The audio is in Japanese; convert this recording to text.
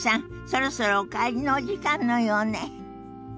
そろそろお帰りのお時間のようね。